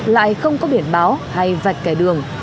lại không có biển báo hay vạch cải đường